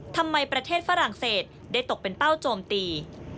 ทำไมประเทศฝรั่งเศสได้ตกเป็นเป้าโจมตี